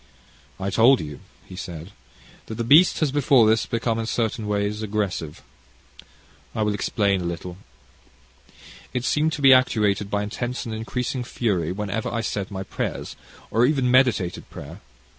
"I told you," he said, "that the beast has before this become in certain ways aggressive. I will explain a little. It seemed to be actuated by intense and increasing fury, whenever I said my prayers, or even meditated prayer.